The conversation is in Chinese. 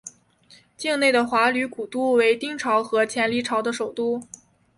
境内的华闾古都为丁朝和前黎朝的首都。